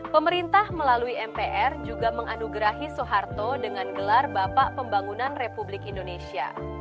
pemerintah melalui mpr juga menganugerahi soeharto dengan gelar bapak pembangunan republik indonesia